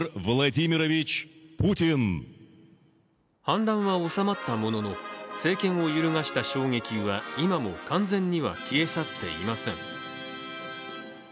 反乱は収まったものの政権を揺るがした衝撃は今も完全には消え去っていません。